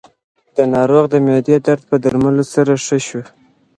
د ناروغ د معدې درد په درملو سره ښه شو.